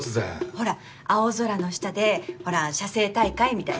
ほら青空の下でほら写生大会みたいな。